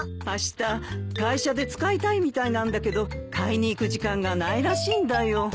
あした会社で使いたいみたいなんだけど買いに行く時間がないらしいんだよ。